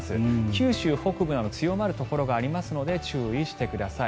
九州北部など強まるところがありますので注意してください。